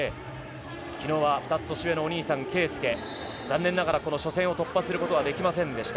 昨日は２つ年上のお兄さん圭祐残念ながらこの初戦を突破することはできませんでした。